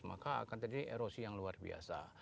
maka akan terjadi erosi yang luar biasa